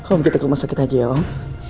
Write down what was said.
om gitu ke rumah sakit aja ya om